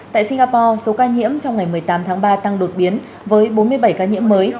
tại singapore số ca nhiễm trong ngày một mươi tám tháng ba tăng đột biến với bốn mươi bảy ca nhiễm mới